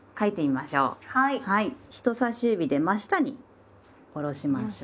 人さし指で真下に下ろしましょう。